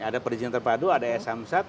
ada perizinan terpadu ada samsat